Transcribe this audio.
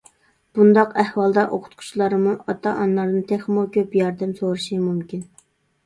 بۇنداق ئەھۋالدا ئوقۇتقۇچىلارمۇ ئاتا-ئانىلاردىن تېخىمۇ كۆپ ياردەم سورىشى مۇمكىن.